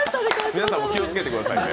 皆さんも気をつけてくださいね。